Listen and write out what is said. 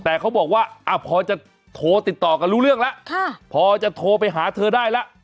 แต่เขาบอกว่าพอจะโทรติดต่อกันรู้เรื่องแล้วพอจะโทรไปหาเธอได้แล้ว